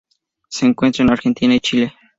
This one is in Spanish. Se encuentra en Argentina y, Chile.